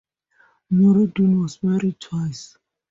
Nureddin was married twice.